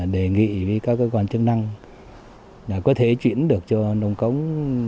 đề nghị với các cơ quan chức năng là có thể chuyển được cho nông cống